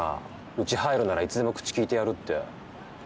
うち入るならいつでも口利いてやるって。